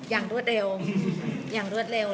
อย่างรวดเร็วอย่างรวดเร็ว